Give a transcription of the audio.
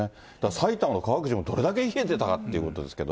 埼玉の川口も、どれだけ冷えてたかっていうことですけど。